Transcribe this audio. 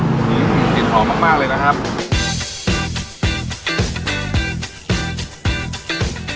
อื้ออื้อกลิ่นหอมมากเลยนะครับ